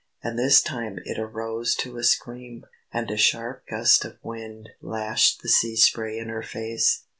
And this time it arose to a scream. And a sharp gust of wind lashed the sea spray in her face.